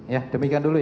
ya demikian dulu ya